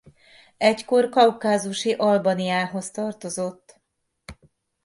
Egykor Kaukázusi Albaniához tartozott.